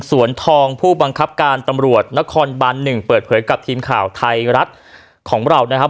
สวนทองผู้บังคับการตำรวจนครบัน๑เปิดเผยกับทีมข่าวไทยรัฐของเรานะครับ